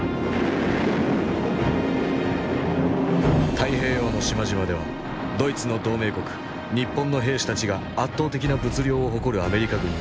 太平洋の島々ではドイツの同盟国日本の兵士たちが圧倒的な物量を誇るアメリカ軍に追い詰められていた。